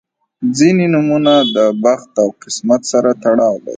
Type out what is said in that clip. • ځینې نومونه د بخت او قسمت سره تړاو لري.